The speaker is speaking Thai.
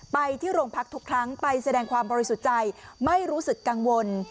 ไปที่โรงพักทุกครั้งไปแสดงความบริสุทธิ์ใจไม่รู้สึกกังวล